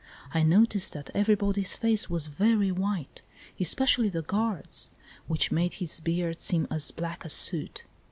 I noticed that every body's face was very white, especially the guard's, which made his beard seem as black as soot.